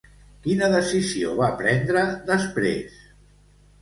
Quina decisió va prendre després?